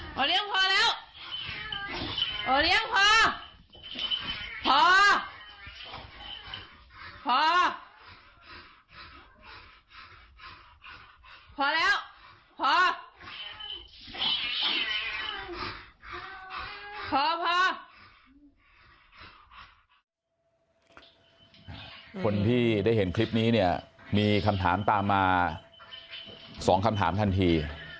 คนที่ได้เห็นคลิปนี้เนี่ยมีคำถามตามมา๒คำถามทันที